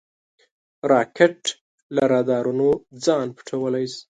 راکټ له رادارونو ځان پټولی شي